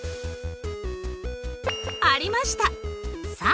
ありました！